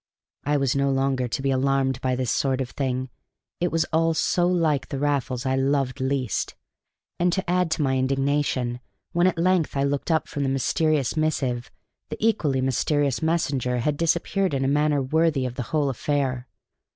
I was no longer to be alarmed by this sort of thing; it was all so like the Raffles I loved least; and to add to my indignation, when at length I looked up from the mysterious missive, the equally mysterious messenger had disappeared in a manner worthy of the whole affair.